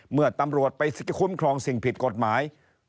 เมื่อตำรวจไปคุ้มครองสิ่งผิดกฎหมาย